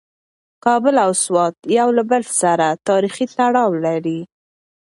کابل او سوات یو له بل سره تاریخي تړاو لري.